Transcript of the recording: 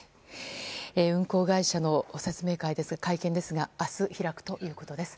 運航会社の説明会、会見ですが明日、開くということです。